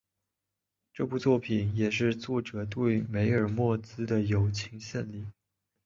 这部作品也是作者对梅尔莫兹的友情献礼。